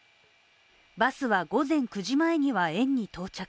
バスは午前９時前には園に到着。